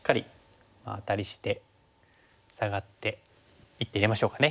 アタリしてサガって１手入れましょうかね。